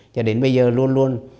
cho đến bây giờ luôn luôn